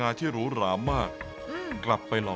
ซุปไก่เมื่อผ่านการต้มก็จะเข้มขึ้น